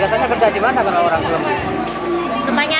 biasanya kerja di mana para orang